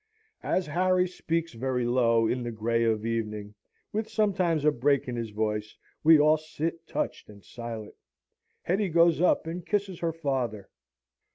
As Harry speaks very low, in the grey of evening, with sometimes a break in his voice, we all sit touched and silent. Hetty goes up and kisses her father.